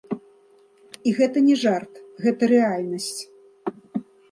І гэта не жарт, гэта рэальнасць.